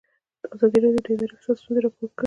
ازادي راډیو د اداري فساد ستونزې راپور کړي.